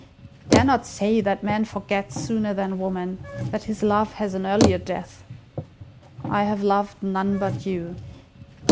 Dare not say that man forgets sooner than woman, that his love has an earlier death. I have loved none but you.